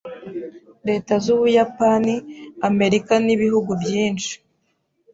Leta z'Ubuyapani, Amerika n'ibihugu byinshi